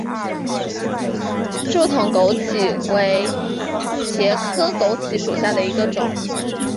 柱筒枸杞为茄科枸杞属下的一个种。